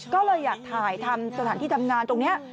ก็เลยอยากถ่ายทำสถานที่ทำงานตรงนี้